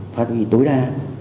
phát huy tối đa